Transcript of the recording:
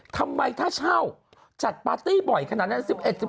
ทำไมถ้าเช่าจัดปาร์ตี้บ่อยขนาดนั้น